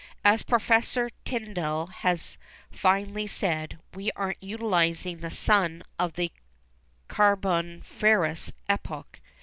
As Professor Tyndall has finely said, we are utilising the Sun of the Carboniferous Epoch.